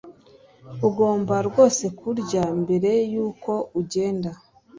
Ugomba rwose kurya mbere yuko ugenda